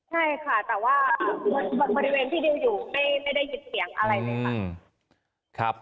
ใช่ค่ะแต่ว่าบริเวณที่ดิวอยู่ไม่ได้ยินเสียงอะไรเลยค่ะ